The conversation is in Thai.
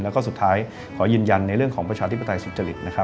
แล้วก็สุดท้ายขอยืนยันในเรื่องของประชาธิปไตยสุจริตนะครับ